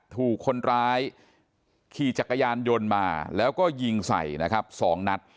ถูกคนร้ายขี่จักรยานยนต์มาแล้วก็ยิงใส่นะครับ๒นัด